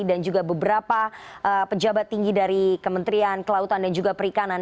dan juga beberapa pejabat tinggi dari kementerian kelautan dan juga perikanan